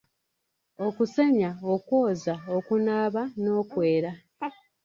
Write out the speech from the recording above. Okusenya, okwoza, okunaaba, n'okwera.